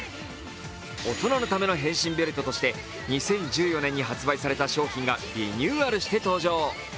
大人のための変身ベルトとして２０１４年に発売された商品がリニューアルして登場。